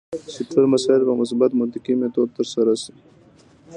چې ټول مسایل په مثبت منطقي میتود ترسره شي.